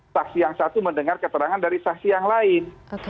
saksi yang satu mendengar keterangan dari saksi yang lain